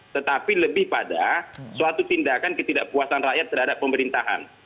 tetapi lebih pada suatu tindakan ketidakpuasan rakyat terhadap pemerintahan